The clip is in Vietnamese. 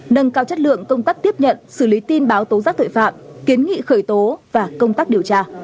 nâng cao chất lượng công tác tiếp nhận xử lý tin báo tố giác tội phạm kiến nghị khởi tố và công tác điều tra